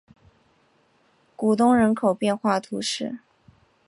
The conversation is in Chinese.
古东人口变化图示